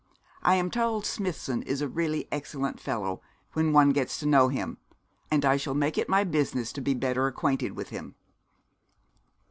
I am told Smithson is a really excellent fellow when one gets to know him; and I shall make it my business to be better acquainted with him.'